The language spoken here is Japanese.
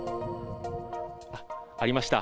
ありました。